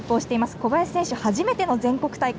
小林選手、初めての全国大会。